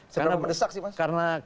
seberapa mendesak sih mas